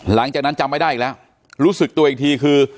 หลังจากนั้นจำไม่ได้อีกแล้วรู้สึกตัวอีกทีคือ